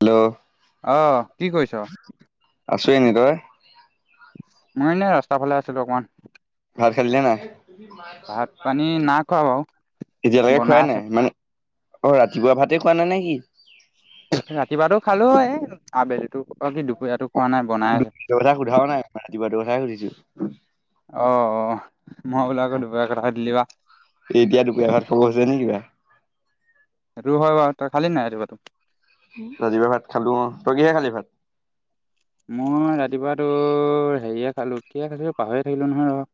Hello. অ' কি কৰিছ। আছো এনে, তই। মই এনে ৰাস্তাৰ ফালে আছিলো অকণমান। ভাত খালিনে নাই ভাত পানী নাই খোৱা বাৰু। এতিয়ালৈকে বনাই খোৱাই আছে নাই মানে অ' ৰাতিপুৱা ভাতে খোৱা নাই নে কি। ৰাতিপুৱাতো খালো এই আবেলিতো অ কি দুপৰীয়াতো খোৱা নাই বনাই আছে। [unintelligible] নাই ৰাতিপুৱাটো কথাই সুধিছো। অ' অ' মই বোল আকৌ দুপৰীয়াৰ কথা সুধিলি বা। এতিয়া দুপৰীয়া ভাত খাব হৈছে নে কিবা। সেইটোটো হয় বাৰু তই খালি নাই ৰাতিপুৱাটো। ৰাতিপুৱা ভাত খালো অ' তই কিহেৰে খালি ভাত। মই ৰাতিপুৱাটো হেৰিয়ে খালো কিহে খালো পাহৰিয়ে থাকিলো নহয় ৰ।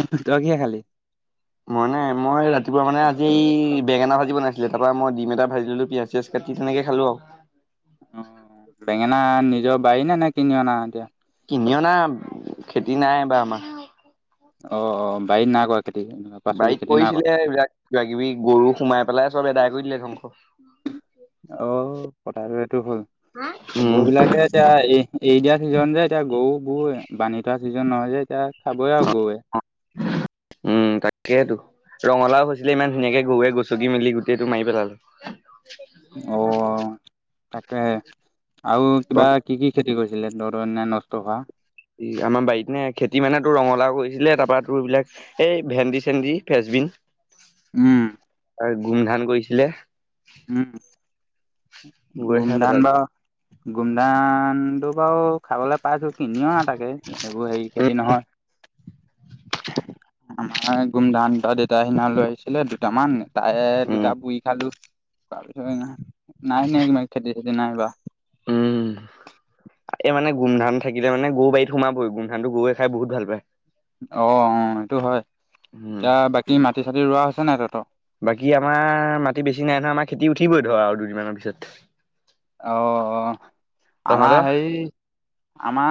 তই কিহেৰে খালি। মইনে মই ৰাতিপুৱা মানে আজি বেঙেনা ভাজি বনাইছিলে, তাপা মই ডিম এটা ভাজি ল'লোঁ, পিয়াঁজ চিয়াজ কাটি, তেনেকে খালোঁ আউ। অ', বেঙেনা নিজৰ বাৰীৰ নে? নে কিনি অনা এতিয়া? কিনি অনা, খেতি নাই এইবাৰ আমাৰ। অ, অ। বাৰীত নাই কৰা খেতি? পাচলি বাৰীত খেতি নাই কৰা কৰিছিলে এইবিলাক কিবা-কিবি, গৰু সোমাই পেলাই চব আদায় কৰি দিলে, ধ্বংস। অ', কথাটো এটো হ'ল। গৰু উম বিলাকে এতিয়া এই এৰি দিয়া ছিজন যে, এতিয়া গউ, গউ এ বানহি থোৱা ছিজন নহয় যে এতিয়া খাবই আৰু গউৱে। উম', তাকেতো। ৰঙালাও হৈছিলে ইমান ধুনীয়াকে, গউৱে গছকি-মেলি গোটেইটো মাই পেলালে। অ', তাকেহে। আউ কিবা কি কি খেত কি কৰিছিলে তহঁতৰ [unintelligible] নষ্ট হোৱা? ই আমাৰ বাৰীত নে? খেতি মানে তোৰ ৰঙলাও কৰিছিলে, তাৰপা তোৰ এইবিলাক এই, ভেন্দি-চেন্দি, ফ্ৰেচ বিন। উম', আৰু গুমধান কইছিলে। উম', গৈ খাই গুমধান পেলালে বা গুমধানটো বাউ খাবলে পাইছো। কিনিওআ তাকে এইবোৰ হেৰি উম খেতি নহয়। আমাৰ গুমধান, ত দেতাই সিনা লৈ আহিছিলে দুটামান তাৰে দুটা উম পুই খালো। [unintelligible] নাই, নাই [unintelligible] খেতি-চেতি নাই বা [unintelligible] এ, মানে গুমধান থাকিলে মানে গউ বাৰীত সোমাবই। গুমধানটো গওৱে খাই বহুত পায়। অঁ, অঁ এটো হয়। উম এতিয়া বাকী মাটি-চাটি ৰোৱা হৈছে নাই তহঁতৰ? বাকী আমাৰ মাটি বেছি নাই নহয়। আমাৰ খেতি উঠিবই ধৰা, আউ দুদিনমানৰ পিছত। অঁ, অঁ আমাৰ তহঁতৰ হেই, আমা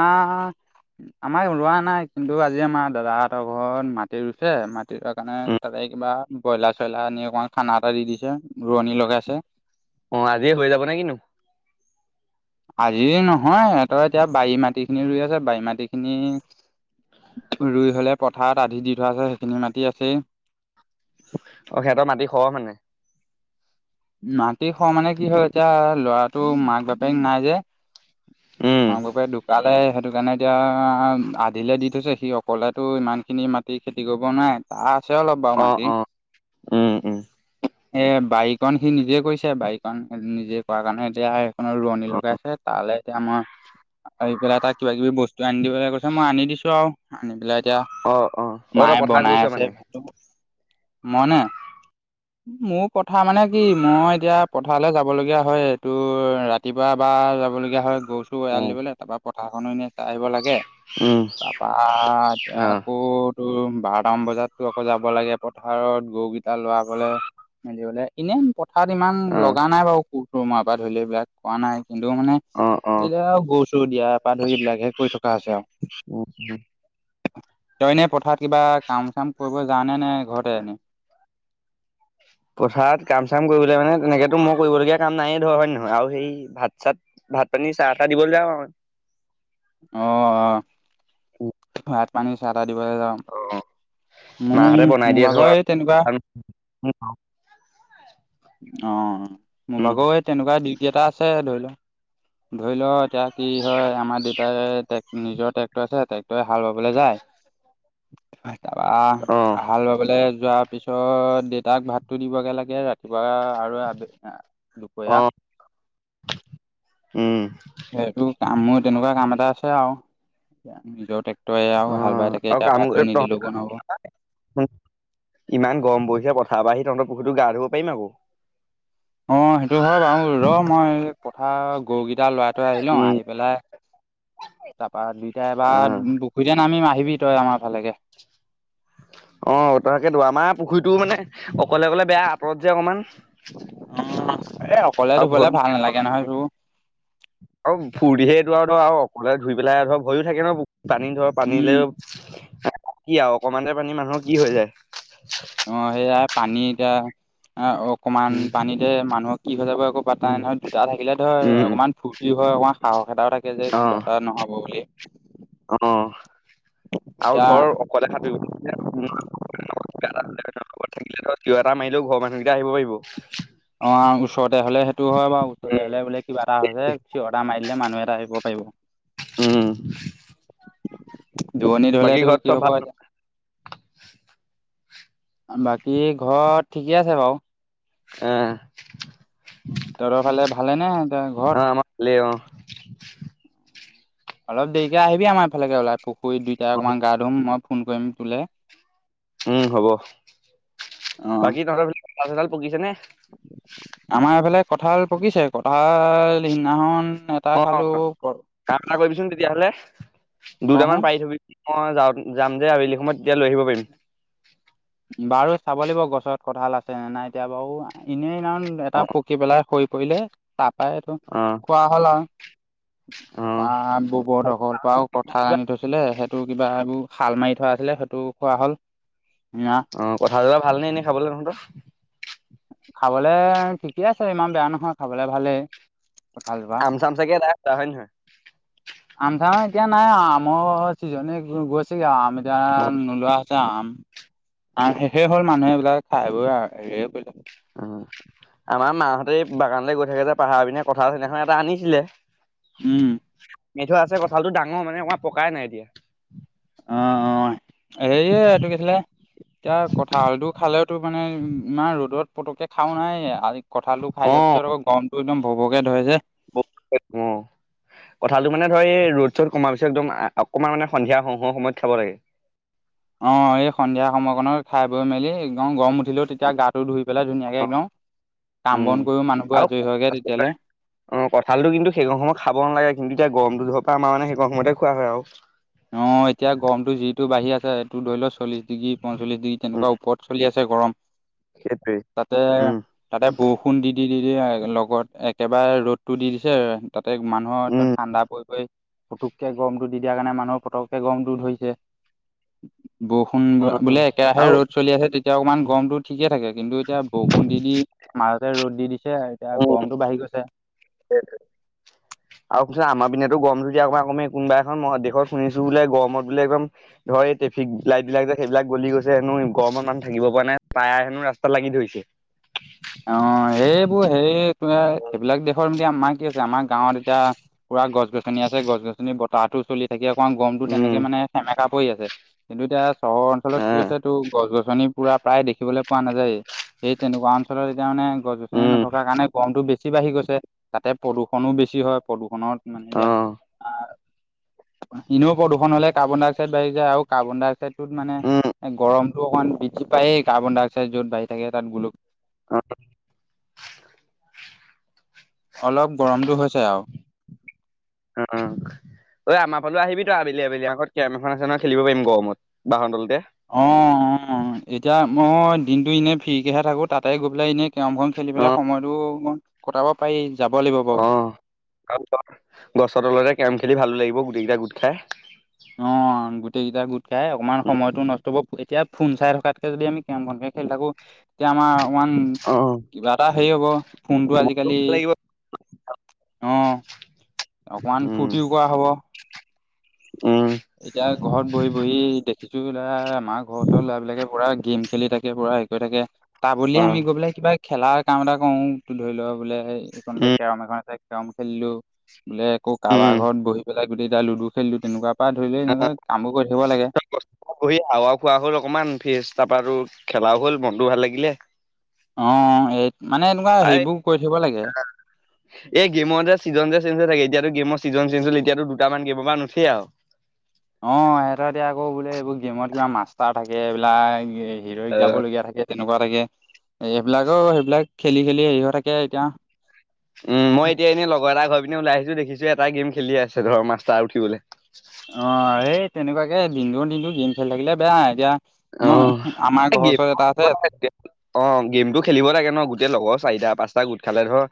আমাৰ ৰোৱা নাই। কিন্তু আজি আমাৰ দাদাহঁতৰ ঘৰত মাটি ৰুইছে, মাট [unintelligible] কাণে, উম তাতে কিবা ব্ৰইলাৰ-চইলাৰ আনি অকমান খানা এটা দি দিছে। ৰোৱনী লগাইছে। অ', আজিয়ে হৈ যাব নে কি নু? আজিয়ে নহয় সেহঁতৰ এতিয়া বাৰী মাটি খিনি ৰুই আছে। বাৰী মাটি খিনি ৰুই হ'লে পথাৰত আধি দি থোৱা আছে। সেইখিনি মাটি আছেই অ', সেহতৰ মাটি খহ মানে? মাটি খহ মানে কি হয় এতিয়া, ল'ৰাটো মাক বাপেক নাই যে। উম মাক, বাপেক ধুকালে সেইটো কাৰণে এতিয়া আধিলে দি থৈছে। সি অকলেতো ইমানখিনি মাটি খেতি কৰিব নোৱাৰে। আছে অলপ বাউ অ মাটি। অ উম উম এ বাইক কণ সি নিজে কৈছে। বাৰীকণ নিজে কৰা কাৰণে এতিয়া সেইখনৰ ৰোৱনী অ লগাইছে তালে এতিয়া মই আহি পেলাই তাক কিবা-কিবি বস্তু আনি দিবলে কৈছে। মই আনি দিছোঁ আউ আনি পেলাই এতিয়া অ, অ। অ', তই পথাৰ গৈছ মানে? মনে? মোৰ পথাৰ মানে কি মই এতিয়া পথাৰলে যাবলগীয়া হয়। এটো ৰাতিপুৱা এবা যাবলগীয়া হয়, গধু টু এৰাল উম দিবলে, তাৰপা পথাৰখনো এনে চাই আহিব লাগে। উম তাৰপা এতিয়া অ আকো তোৰ বাৰটামান বজাতো আকৌ যাব লাগে পথাৰত গউ কেইটা লৰাবলে, মেলিবলে। ইনে পথাৰত ইমান অ লগা নাই বাউ [unintelligible] মা পাট ধৰিলো এইবিলাক কোৱা নাই, কিন্তু মানে অ অ এইয়া, গৰু চৰু দিয়া পা ধৰি এইবিলাকহে কৰি থকা হৈছে আৰু [unintelligible] তই এনে পথাৰত কিবা কাম চাম কৰিব যাৱনে নে ঘৰতে এনেই? পথাৰত কাম চাম কৰিবলে মানে তেনেকেতো মই কৰিবলগীয়া কাম নায়ে ধৰ হয় নে নহয় আৰু সেই ভাত-চাত ভাত-পানী, চাহ-তাহ দিবলৈ যাওঁ আও। অ', অ'। ভাত-পানী, চাহ-তাহ দিবলৈ যাওঁ। অ', মাহঁতে মোৰ বিনাই মোৰ দিয়ে ভাগৰ ধৰ, এই তেনেকুৱা [unintelligible] অ', মোৰ উম ভাগৰ এই তেনেকুৱা দিওতি এটা আছে ধৰি ল ধৰি ল', এতিয়া কি হয় আমাৰ দেউতাই নিজৰ ট্ৰেক্টৰ আছে ট্ৰেক্টৰে হাল বাবলৈ যায় তাপা অ আহা লগে লগে যোৱাৰ পিছত দেউতাক ভাতটো দিবগে লাগে ৰাত পুৱা আৰু [unintelligible] অ দুপৰীয়া। উম। সেইটো কাম, মোৰ তেনেকুৱা কাম এটা আছে আৰু নিজৰ [unintelligible] অ আৰু হাল বাই থাকে আৰু এতিয়া কাম ভাতটো নিদিলগেও নহব। ইমান গৰম পৰিছে পথাৰ পৰা আহি তহতৰ পুখুৰীতোত গা ধুব পাৰিম আকৌ। অ', সেইটো হয় বাও আৰু ৰ' মই পথাৰৰ গৰুকেইটা লৰাই থই আহি লওঁ উম আহি পেলাই তাৰপা দুইটা এবাৰ অ পুখুৰীতে নামিম আহিবি তই আমাৰ ফালেকে। অ', তাকেতো আমাৰ পুখুৰীটো মানে অকলে অকলে বেয়া আপৰত যে অকণমান। উম, এ অকলে ধুবলে ভৰি ভাল নালাগে নহয় তোৰ। আৰু ফূৰ্তিহে এইটো আৰু ন অকলে ধুই পেলাই আকৌ ভয়ো থাকে ন পানী ধৰ পানী উম লে কি আৰু অকণমানহে পানী মানুহৰ কি হৈ যায়। অ', সেয়াই পানী এতিয়া অকমান উম পানীতে মানুহৰ কি হৈ যাব আকৌ [unintelligible] উম নহয় দুটা থাকিলে ধৰ উম, অকণমান ফূৰ্তি হয়, অকণমান সাহস এটাও থাকে যে কিবা এটা নহ'ব বুলি। উম, আৰু এতিয়া ধৰ অকলে সাঁতুৰি [unintelligible] [unintelligible] চিঞৰ এটা মাৰিলেও ঘৰৰ মানুহকেইটা আহিব পাৰিব। অ', ওচৰতে হলে সেইটো হয় বাৰু ওচৰতে উম, হলে বোলে কিবা এটা হৈছে চিঞৰ এটা মাৰিলে মানুহ এটা আহিব পাৰিব। [inaudible] উম। দূৰণিত বাকী হ'লেতো ঘৰত কি চব হব ভাল? এতিয়া বাকী ঘৰত ঠিকে আছে বাৰু। অহ। তহঁতৰ ফালে ভালে নে এতিয়া ঘৰত? অ', আমাৰ ভালেই অ', অলপ দেৰিকে আহিবি আমাৰ এইফালে‌কে ওলাই, পুখুৰীত দুইটাই অ, অকমাণ গা ধুম, মই ফোন‌ কৰিম তোলে। উম হ'ব। অ বাকী তহঁতৰ ফালে কঁঠাল চঠাল পকিছে নে? আমাৰ এইফালে কঁঠাল পকিছে, কঁঠাল সিদিনাখন এটা খালো অ', কাম এটা কৰিবিচোন তেতিয়াহলে, কহো দুটামান পাৰি থ'বি। মই যাওঁ, যাম যে আবেলি সময়ত তেতিয়া লৈ আহিব পাৰিম। বাৰু চাব লাগিব গছত কঁঠাল আছে নে নাই এতিয়া বাৰু এনে সিদিনাখন এটা অ', পকি পেলাই সৰি পৰিলে তাৰ পৰাই এইটো অ', খোৱা হল আৰু। তাৰ অ', পৰা বুবু হঁতৰ ঘৰৰ পৰাও কঁঠাল আনি থৈছিলে সে সেইটো কিবা এইবোৰ সাল মাৰি থোৱা আছিলে সেইটোও খোৱা হ'ল। না। অ', কঁঠাল কেটা ভাল নে এনেই খাবলৈ তহঁতৰ? খাবলে ঠিকে আছে ইমান বেয়া নহয় খাবলে ভালেই। কঁঠালজোপা আম চাম চাগে [unintelligible] হয় নে নহয়? আম চামা এতিয়া নাই আৰু আমৰ চিজনে গৈছেগে আৰু আম এতিয়া উম, আম নোলোৱা হৈছে আম। আম শেষেই হ'ল মানুহে এইবিলাক খাই বৈ হেৰিয়ে কৰিলে। উম। আমাৰ মাহঁতে এই বাগানলৈ গৈ থাকে যে পাহাৰ পিনে কঁঠাল সিদিনাখন এটা আনিছিলে। উম। মিঠা আছে কঁঠালটো ডাঙৰ মানে আমাৰ পকাই নাই এতিয়া। অ অ এয়ে এইটো কি আছিলে? এতিয়া কঁঠাল এইটো খালেওতো মানে ইমান ৰ'দত পতককে খাও নাই [unintelligible] কঁঠালটো খাই দিয়াৰ অ'। পিছত আকৌ গৰমটো একদম ভৌ ভৌকে ধৰে যে। অ' কঁঠালটো মানে ধৰ এই ৰ'দ চ'দ কমাৰ পিছত একদম অকণমান মানে সন্ধিয়া হ'ও হ'ও সময়ত খাব লাগে। অ এই সন্ধিয়া সময়কণত খাই বৈ মেলি একদম গৰম উঠিলেও তেতিয়া গাটো ধুই পেলাই ধুনীয়াকে একদম, কাম উম, বন কৰিও মানুহবোৰ আৰু আজৰি হয়গে তেতিয়ালে। অ কঁঠালটো কিন্তু সেইকণ সময়ত খাব নালাগে কিন্তু এতিয়া গৰমটো ধৰপা আমাৰ মানে সেইকণ সময়তে খোৱা হয় আৰু। অ এতিয়া গৰমটো যিটো বাঢ়ি আছে তোৰ ধৰি ল চল্লিছ ডিগ্ৰী পঞ্চল্লিছ ডিগ্ৰী উম, তেনেকুৱা ওপৰত চলি আছে গৰম। [inaudible] সেইটোৱে। তাতে উম। তাতে বৰষুণ দি দি দি লগত একেবাৰে ৰ'দটো দি দিছে তাতে মানুহৰ একদম উম, ঠাণ্ডা পৰি পৰি পুতুককে গৰমটো দি দিয়াৰ কাৰণে মানুহক পতকে গৰমটো ধৰিছে। বৰষুণ অ' বোলে একেৰাহে আৰু ৰ'দ চলি আছে তেতিয়া অকণমান গৰমটো ঠিকে থাকে কিন্তু এতিয়া বৰষুণ দি দি মাজতে ৰ'দ দি দিছে এতিয়া উম, গৰমতো বাঢ়ি গৈছে। [unintelligible] আৰু পিছত আমাৰপিনেটো গৰম যদি অকমান কমে কোনোবা এখন দেশত শুনিছো বোলে গৰমত বোলে একদম ধৰ এই ট্ৰেফিক লাইটবিলাক যে সেইবিলাক গলি গৈছে হেনো গৰমত মানুহ থাকিব পৰা নাই টায়াৰ হেনো ৰাস্তাত লাগি ধৰিছে। অ এইেবোৰ হেই সেইবিলাক দেশৰ ম আমাৰ কি আছে আমাৰ গাঁৱত এতিয়া পুৰা গছ গছনি আছে গছ গছনি বতাহটো চলি থাকে অকণ গৰমতো উম, তেনেকে মানে সেমেকা পৰি আছে কিন্তু এতিয়া চহৰ অঞ্চলত কি আহ, হৈছে টো গছ গছনি পুৰা প্ৰায় দেখিবলৈ পোৱা নাযায়, এই তেনেকুৱা অঞ্চলত এতিয়া মানে গছ গছনি উম। নথকাৰ কাৰণে গৰমটো বেছি বাঢ়ি গৈছে, তাতে প্ৰদূষণো বেছি হয়। প্ৰদূৰষণত মানে এতিয়া অ', আহ এনেও প্ৰদূষণ হলে কাৰ্বন ডাই অক্সাইড বাঢ়ি যায় আৰু কাৰ্বন ডাই অক্সাইডটোত মানে উম, এ গৰমটো অকমান বৃদ্ধি পায়েই কাৰ্বন ডাই অক্সাইড যত বাহি থাকে তাত গোল [unintelligible] অলপ গৰমটো হৈছে আও। উম উম। ঐ আমাৰ ফালেও আহিবি তই আবেলি আবেলি আগত কেৰাম এখন আছে নহ খেলিব পাৰিম গৰমত বাহৰ তলতে। অঁহ অঁহ এতিয়া মই দিনটো এনেই ফ্ৰী কেহে থাকো তাতে গৈ পেলাই এনে কেৰমখন খেলি পেলাই অ', সময়টো অকণ কটাব পাৰি, যাব লাগিব বাৰু। অ'। [unintelligible] গছৰ তলতে কেৰম খেলি ভালো লাগিব গোটেইকেইটা গোট খাই। অ। গোটেই কেইটা গোট খাই অকমান সময়টো নষ্ট হব, এতিয়া ফোন চাই থকাতকে যদি আমি কেম বনকে খেল থাকো এতিয়া আমাৰ ওৱান অ কিবা এটা হেৰি হ'ব ফোনটো মনটো আজিকালি ভাল লাগিব অ' অকমান উম, ফূৰ্তিও কৰা হ'ব। উম এতিয়া ঘৰত বহি বহি দেখিছো [unintelligible] আমাৰ ঘৰৰ ওচৰ ল'ৰা বিলাকে পুৰা গেম। খেলি থাকে পুৰা হেৰি কৰি থাকে তা বদলি অ আমি গৈ পেলাই কিবা খেলা। কাম এটা কৰো ধৰি ল বোলে এইকনতে উম, কেৰম এখন আছে কেৰম খেলিলো। বোলে আকৌ কাৰবাৰ উম। ঘৰত বহি পেলাই গোটেইকেইটাই লুডু খেলিলো তেনেকুৱা। বা ধৰি ল এনেকোৱা কামবোৰ কৰি থাকিব লাগে। [unintelligible] হাৱাও খোৱা হ'ল অকণমান ফ্ৰেচ তাৰপা তোৰ খেলাও হ'ল মনটোও ভাল লাগিলে। অ' এই মানে এনেকুৱা এই হেৰিবোৰ কৰি থাকিব লাগে। এই গেমৰ যে চিজন যে চেঞ্জ হৈ থাকে, এতিয়াতো গেমৰ ছিজন চেঞ্জ হ'ল এতিয়াতো দুটামান গেমৰপৰা নুঠেই আৰু। অ' এহেঁতেৰ এতিয়া আকৌ বোলে এইবোৰ গেমত কিবা মাষ্টাৰ থাকে এইবিলাক হিৰৰিক অ', যাবলগীয়া থাকে। তেনেকুৱা থাকে এইবিলাক আৰু সেইবিলাক খেলি খেলি হেৰি হৈ থাকে এতিয়া। উম মই এতিয়া এনেই লগৰ এটা ঘৰ পিনে ওলাই আহিছো দেখিছো এটাই গেম খেলি আছে ধৰ মাষ্টাৰ উঠিবলৈ। অ' এই তেনেকুৱাকে দিনটো দিনটো গেম খেলি থাকিলে বেয়া এতিয়া। মই অহ আমাৰ এই ঘৰৰ গেম ওচৰত এটা আছে। অ' গেমটো খেলিব লাগে ন গোটেই লগৰ চাৰিটা পাঁচটা গোট খালে ধৰ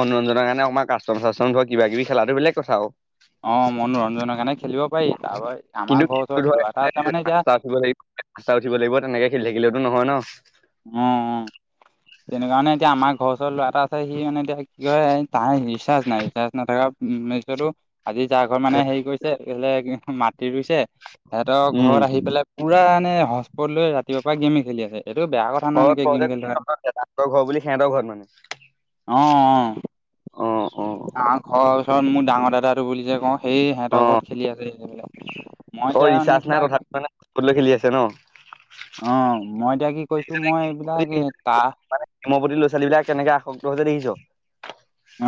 মনোৰঞ্জনৰ কাৰণে অকমান কাচ [unintelligible] কিবা কিবি খেলাতো বেলেগ কথা আও অ' মনোৰঞ্জনৰ কাৰণে খেলিব পাৰি তাৰপা কিন্তু আমাৰ ঘৰৰ খেলটো ধৰ ওচৰত ল'ৰা এটা একেবাৰে আছে মানে এতিয়া। [inaudible] [unintelligible] উঠিব লাগিব তেনেকে খেলি থাকিলেেতো নহয় ন। অ' সেইটো কাৰণে এতিয়া আমাৰ ঘৰৰ ওচৰত ল'ৰা এটা আছে সি মানে এতিয়া কিয় তাৰ ৰিচাৰ্জ নাই ৰিচাৰ্জ নাথাকা [inaudible] তেনেক কাৰণে এতিয়া আমাৰ ঘৰ চৰ ল এটা আ সি মানে এতিয়া কি ক কৰে তাৰ ৰিচাৰ্জ নাই ৰিচাৰ্জ নাথাকা [inaudible] [inaudible] আজি যাৰ ঘৰত মানে হেৰি কৰিছে এই বোলে মাটি ৰুইছে সিহঁতৰ উম ঘৰত আহি পেলাই পুৰা মানে হটস্পট লৈ ৰাতিপুৱাৰ পৰা গেমে খেলি আছে এইটো বেয়া কথা নহয় এনেকে গেম খেলি থকাতো তৰ ঘৰ বুলি সিহঁতৰ ঘৰত অ' মানে অ' অ অ আমাৰ ঘৰৰ ওচৰত মোৰ ডাঙৰ দাদাটো বুলি যে কওঁ সেই অ সিহঁতৰ ঘৰত খেলি আছে [unintelligible] অ' মানে ৰিচাৰ্জ কিবা নাই তথাপিও [unintelligible] লৈ খেলি আছে ন অ' ম‌ই এতিয়া কি কৰিছোঁ মই এইবিলাক এ তা তোমাৰ প্ৰতি ল'ৰা ছোৱালী বিলাক কেনেকে আসক্ত হৈছে দেখিছা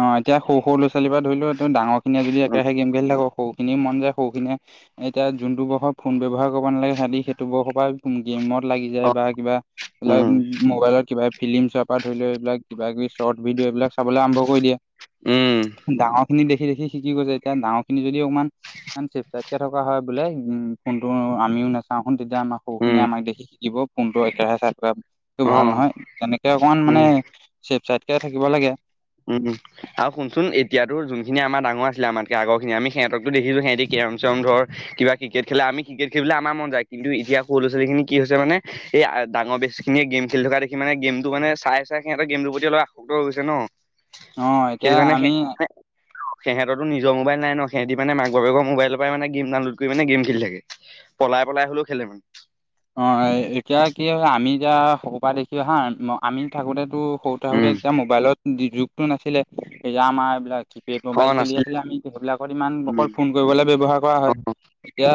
অ' এতিয়া সৰু লৰা ছোৱালী পৰা ধৰিল তহঁত ডাঙৰ খিনিয়ে যদি উম একেৰাহে গেম খেলি থাক সৰু খিনিয়ে মন যায় সৰু খিনিয়ে এতিয়া জোনটো বয়সত ফোন ব্যৱহাৰ কৰিব নালাগে সেহঁতি সেইটো বয়সৰ পৰাই গেমত লাগি অ যায় বা কিবা উম এইবিলাক উ মোবাইলত কিবা ফিল্ম চোৱাৰ পৰা ধৰি ল এইবিলাক কিবা কিবি শ্বৰ্ট ভিডিঅ বিলাক চাবলৈ আৰম্ভ কৰি দিয়ে উম ডাঙৰ খিনিক দেখি দেখি শিকি গৈছে এতিয়া ডাঙৰ খিনি যদি অকমান চেফ চাইদকৈ থকা হয় বোলে উম ফোনটো আমিও নাচাও চাওখন তেতিয়া আমাৰ সৰুখিনিয়ে উম আমাক দেখি শিকিব ফোনটো একেৰাহে চাই থকা অ ভাল নহয় এনেকে অকমান উম মানে চেফ চাইদকে থাকিব লাগে উম উম আৰু শুনচোন এতিয়াতো জোনখিনি আমাৰ ডাঙৰ আছিলে আমাতকে আগৰখিনি আমি সেহঁতকতো দেখিছোঁ সেহঁতি কেৰম চেৰম ধৰ কিবা ক্ৰিকেট খেলা আমি ক্ৰিকেট খেলিবলৈ আমাৰ মন যায় কিন্তু এতিয়া সৰু ল'ৰা ছোৱালী খিনি কি হৈছে মানে এই ডাঙৰ বেছিখিনিয়ে গেম খেলি থকা দেখি মানে গেমটো মানে চাই চাই সিহঁতে গেমটোৰ প্ৰতি অলপ আসক্ত হৈ গৈছে ন অ এতিয়া সেইটো কাৰণে আমি সেই সেহেঁতৰতো নিজৰ মোবাইল নাই ন সেহঁতি মানে মাক বাপেকৰ মোবাইলৰ পৰাই মানে গেম ডাউনল'ড কৰি মানে গেম খেলি থাকে [unintelligible] পলাই পলাই হ'লেও খেলে মানে। অঁ এতিয়া কি হয় আমি এতিয়া সৰু পৰা দেখি অহা আমি থাকোতেটো সৰু থাকোতে উম তেতিয়া যোগটো নাছিলে এতিয়া আমাৰ এইবিলাক কিপেড অ মোবাইল চলি নাছিলে আছিলে আমি সেইবিলাকত ইমান অকল উম ফোন কৰিবলে ব্যৱহাৰ কৰা অ হয় এতিয়া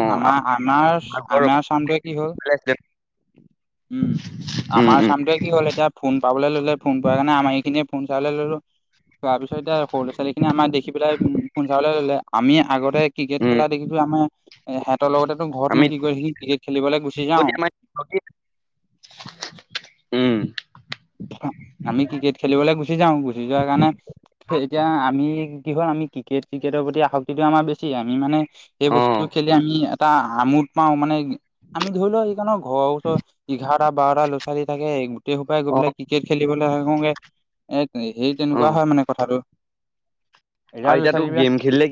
অ আমাৰ আমাৰ ঘৰৰ আমাৰ অকণমান চামটো কি হ'ল ফালে আছিলে। উম। উম আমাৰ উম চামটোৱে কি হ'ল এতিয়া ফোন পাবলে ললে ফোন পোৱাৰ কাৰণে আমাৰ এইখিনিয়ে ফোন চাবলে ললোঁ। তাৰপিছত এতিয়া সৰু ল'ৰা ছোৱালীখিনিয়ে আমাক দেখি পেলাই ফোন চাবলে ল'লে। আমি আগতে ক্ৰিকেট উম খেলা দেখিছোঁ আমি এ হেতৰ লগতেটো ঘৰতনো আমি কি কৰি সি ক্ৰিকেট খেলিবলৈ গুচি যাওঁ। উম আমি ক্ৰিকেট খেলিবলে গুচি যাওঁ, গুচি যোৱা কাৰণে এতিয়া আমি কি হ'ল আমি ক্ৰিকেট ক্ৰিকেটৰ প্ৰতি আসক্তিটো আমাৰ বেছি, আমি মানে সেই অ বস্তুটো খেলি আমি এটা আমোদ এটা পাওঁ মানে আমি ধৰি লও সেইকণৰ ঘৰৰ ওচৰত ইঘাৰটা বাৰটা ল'ৰা ছোৱালী থাকে গোটেই সোপাই গৈ অ পেলাই ক্ৰিকেট খেলিবলে আহোঁগে। এ সেই অ তেনেকুৱা হয় আৰু মানে কথাটো, এতিয়া ল'ৰা তোৰ ছোৱালী গেম বিলাক খেলিলে